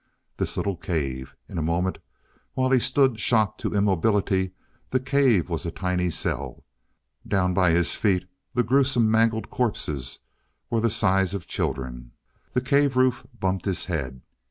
This little cave! In a moment while he stood shocked into immobility, the cave was a tiny cell. Down by his feet the gruesome mangled corpses were the size of children. The cave roof bumped his head.